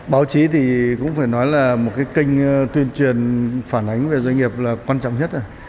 báo chí thì cũng phải nói là một cái kênh tuyên truyền phản ánh về doanh nghiệp là quan trọng nhất là